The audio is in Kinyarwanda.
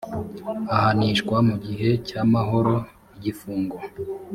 ahanishwa mu gihe cy amahoro igifungo